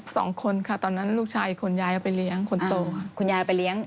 สองคนค่ะตอนนั้นลูกชายอีกคนยายเอาไปเลี้ยงคนโตค่ะคุณยายไปเลี้ยง